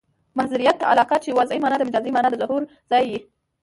مظهریت علاقه؛ چي وضعي مانا د مجازي مانا د ظهور ځای يي.